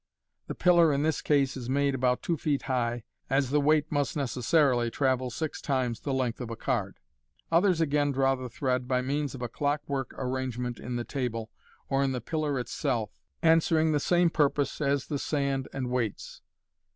(The pillar in this case is made about two feet high, as the weight must necessarily travel six times the length of a. card.) Others, again, draw the thread by means of a clockwork arrangement in the table, or in the pillar itself, answering the same purpose as the sand and weights.